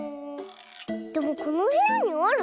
でもこのへやにある？